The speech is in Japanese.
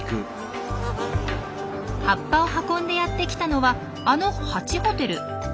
葉っぱを運んでやってきたのはあのハチホテル。